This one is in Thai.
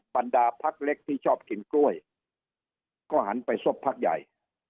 บรรดาพักเล็กที่ชอบกินกล้วยก็หันไปซบพักใหญ่